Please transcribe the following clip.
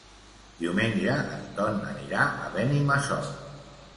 Diumenge en Ton anirà a Benimassot.